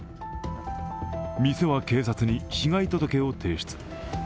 店は警察に被害届を提出。